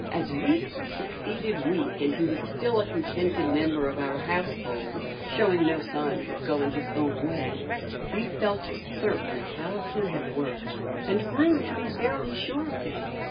As week succeeded week and he was still a contented member of our household, showing no signs of going his own way, we felt certain the talisman had worked and grew to be fairly sure of him.